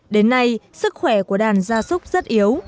đến nay sức khỏe của đàn gia súc rất yếu